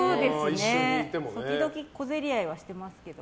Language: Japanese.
時々小競り合いはしてますけど。